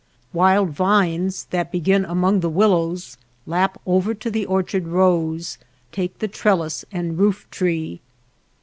Wild vines that begin among the willows lap over to the orchard rows, take the trellis and roof tree.